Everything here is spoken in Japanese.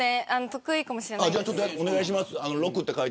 得意かもしれないです。